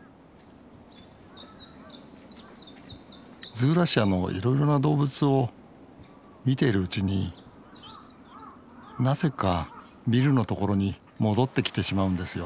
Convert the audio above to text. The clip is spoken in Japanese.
ズーラシアのいろいろな動物を見ているうちになぜかニルの所に戻ってきてしまうんですよ